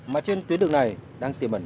mà trên tuyến đường này đang tiềm ẩn